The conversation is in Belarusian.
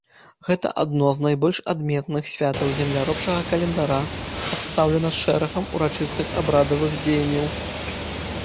Гэта адно з найбольш адметных святаў земляробчага календара, абстаўлена шэрагам урачыстых абрадавых дзеянняў.